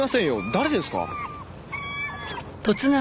誰ですか？